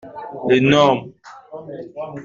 L’énorme.